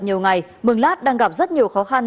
nhiều ngày mường lát đang gặp rất nhiều khó khăn